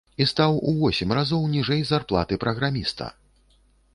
І стаў у восем разоў ніжэй зарплаты праграміста!